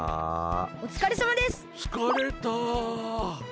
おつかれさまです！